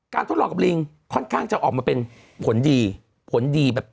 การทดลองกับลิงค่อนข้างจะออกมาเป็นผลดี